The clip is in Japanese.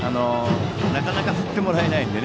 なかなか振ってもらえないので。